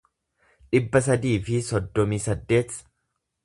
dhibba sadii fi soddomii saddeet